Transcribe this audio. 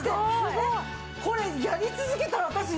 えっこれやり続けたら私。